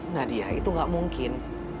nadia itu gak mungkin